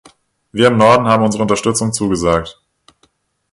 Wir im Norden haben unsere Unterstützung zugesagt.